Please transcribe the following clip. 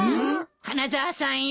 花沢さんよ。